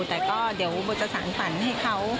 แต่ก็เดี๋ยวโบจะสารฝันให้เขา